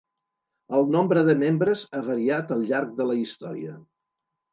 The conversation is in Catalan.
El nombre de membres ha variat al llarg de la història.